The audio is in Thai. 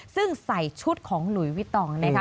ซึ่งใส่ชุดของหลุยวิตองนะคะ